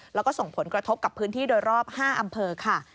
แล้วก็ส่งผลกระทบกับพื้นที่โดยรอบ๕อำเภอค่ะ